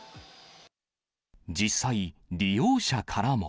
実際、利用者からも。